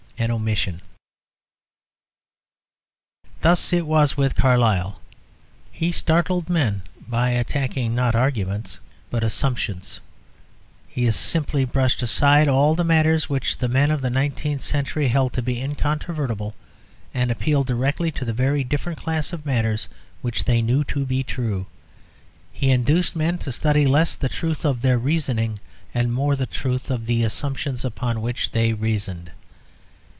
Thus it was with Carlyle: he startled men by attacking not arguments, but assumptions. He simply brushed aside all the matters which the men of the nineteenth century held to be incontrovertible, and appealed directly to the very different class of matters which they knew to be true. He induced men to study less the truth of their reasoning, and more the truth of the assumptions upon which they reasoned.